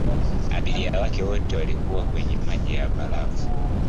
abiria wake wote walikuwa kwenye maji ya barafu